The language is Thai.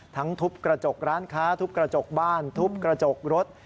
ทุบกระจกร้านค้าทุบกระจกบ้านทุบกระจกรถ